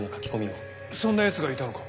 そんな奴がいたのか？